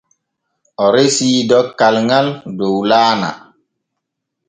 O resii dokkal ŋal dow laana.